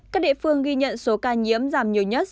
các địa phương ghi nhận số ca nhiễm giảm nhiều nhất